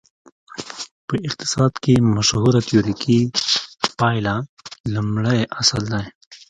په اقتصاد کې مشهوره تیوریکي پایله لومړی اصل دی.